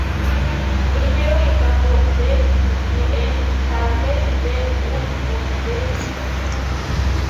Primero, en campo de sinople, en sable la U de Unión.